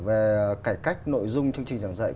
về cải cách nội dung chương trình giảng dạy